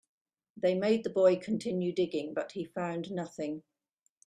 They made the boy continue digging, but he found nothing.